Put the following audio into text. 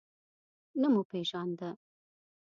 نه مو پیژانده.